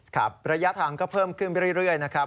ครับระยะทางก็เพิ่มขึ้นไปเรื่อยนะครับ